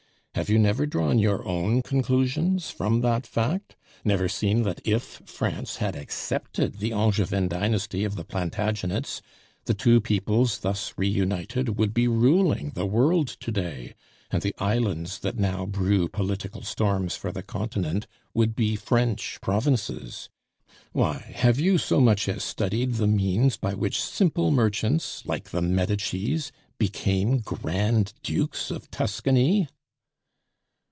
Have you never drawn your own conclusions from that fact? never seen that if France had accepted the Angevin dynasty of the Plantagenets, the two peoples thus reunited would be ruling the world to day, and the islands that now brew political storms for the continent would be French provinces? ... Why, have you so much as studied the means by which simple merchants like the Medicis became Grand Dukes of Tuscany?"